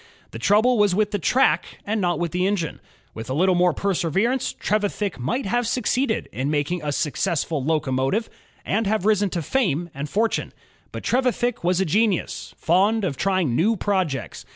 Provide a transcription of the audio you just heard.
The trouble was with the track and not with the engine. With a littie more perseverance, Trevithick might have succeeded in making a successful locomotive and have risen to fame and fortune. But Trevithick was a genius, fond of trying new projects.